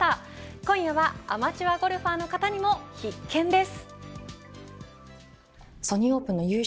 今夜はアマチュアゴルファーの方にも必見です。